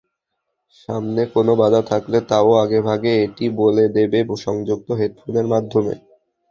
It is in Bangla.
সামনে কোনো বাধা থাকলে তা-ও আগেভাগে এটি বলে দেবে সংযুক্ত হেডফোনের মাধ্যমে।